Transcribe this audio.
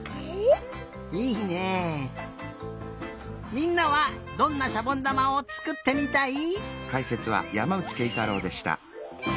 みんなはどんなしゃぼんだまをつくってみたい？